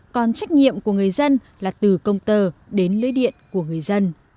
còn trách nhiệm của người dân là từ công tơ đến lưới điện của người dân